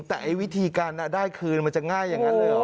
แต่ไอ้วิธีการได้คืนมันจะง่ายอย่างนั้นเลยเหรอ